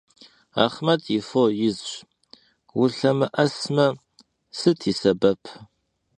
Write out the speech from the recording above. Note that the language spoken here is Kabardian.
Axhmet yi fo yizş, vulhemı'esme sıt yi sebep.